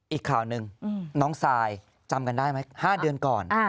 อีกข่าวหนึ่งน้องซายจำกันได้ไหม๕เดือนก่อน